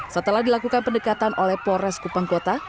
setelah dilakukan pendekatan oleh polres kupang kota